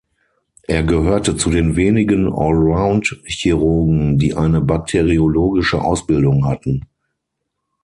Er gehörte zu den wenigen „Allround-Chirurgen“, die eine bakteriologische Ausbildung hatten.